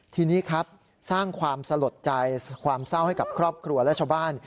ทีนี้ครับสร้างความสลดใจความเศร้าให้กับครอบครัวและชาวบ้าน